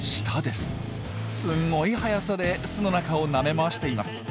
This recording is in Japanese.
すごい速さで巣の中をなめ回しています。